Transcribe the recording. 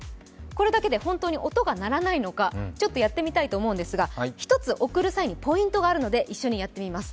これだけで本当に音が鳴らないのか、ちょっとやってみたいんですが、１つ送る際にポイントがあるので一緒にやってみます。